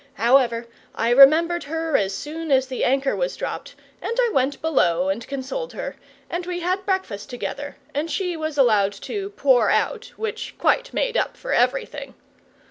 However, I remembered her as soon as the anchor was dropped, and I went below and consoled her, and we had breakfast together, and she was allowed to "pour out," which quite made up for everything.